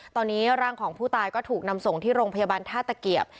ตอนนี้ร่างของผู้ตายก็ถูกนำส่งที่โรงพยาบาลท่าตะเกียบ